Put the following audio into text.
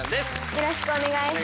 よろしくお願いします。